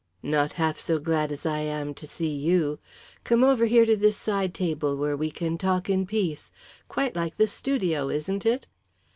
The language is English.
"Not half so glad as I am to see you. Come over here to this side table where we can talk in peace. Quite like the Studio, isn't it?"